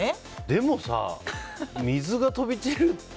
でもさ、水が飛び散る。